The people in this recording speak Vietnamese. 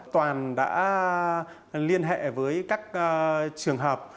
toàn đã liên hệ với các trường hợp